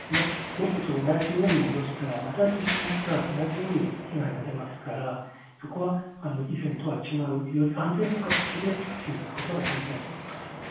元と同じように戻したらまた地震が起きたら同じように被害が出ますから、そこは以前とは違う、より安全な形で復旧することが大事だと思います。